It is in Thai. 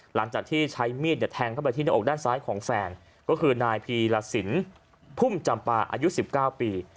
หลังจากที่ใช้มีดแทงเข้าไปที่หน้าอกด้านซ้ายของแฟนก็คือนายพีรสินพุ่มจำปาอายุ๑๙ปี